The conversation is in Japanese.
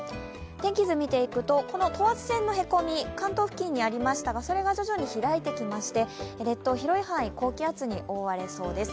天気図見ていくと、この等圧線のへこみ、関東付近にありましたがそれが徐々に開いてきまして、列島広い範囲、高気圧に覆われそうです。